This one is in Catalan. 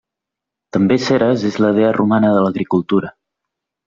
També Ceres és la dea romana de l'agricultura.